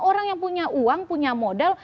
orang yang punya uang punya modal